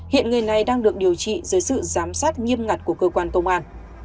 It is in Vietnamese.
hiện người này đang được điều trị dưới sự giám sát nghiêm ngặt của cơ quan công an